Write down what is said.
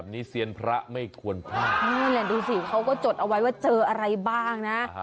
เนี่ยแหละดูสิเค้าก็จดเอาไว้ว่าเจออะไรบ้างนะ